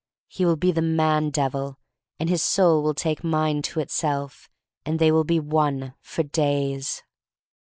He will be the man devil, and his soul will take mine to itself and they will be one — for days.